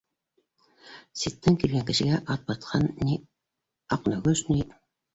Ситтән килгән кешегә Атбатҡан ни, Аҡнөгөш ни